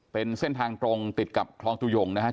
เป็นเส้นทางตรงติดกับคลองตุยงนะฮะ